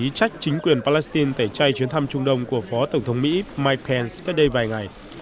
trách chính quyền palestine tẩy chay chuyến thăm trung đông của phó tổng thống mỹ mike pence cách đây vài ngày